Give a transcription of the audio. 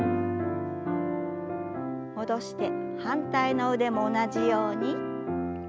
戻して反対の腕も同じように。